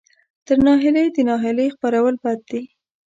تر ناهیلۍ د ناهیلۍ خپرول بد دي.